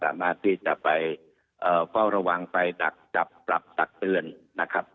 สามารถที่จะไปเฝ้าระวังไปดักจับปรับตักเตือนนะครับ